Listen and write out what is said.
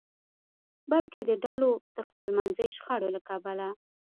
بلکې د ډلو د خپلمنځي شخړو له کبله.